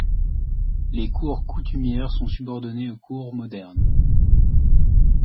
Les cours coutumières sont subordonnées aux cours modernes.